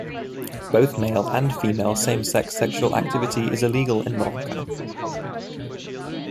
Both male and female same-sex sexual activity is illegal in Morocco.